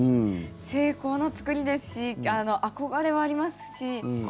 精巧な作りですし憧れはありますし。